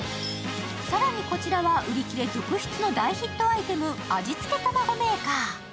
さらにこちらは、売り切れ続出の大ヒットアイテム、味付けたまごメーカー。